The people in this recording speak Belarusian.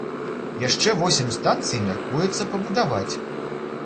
Яшчэ восем станцый мяркуецца пабудаваць.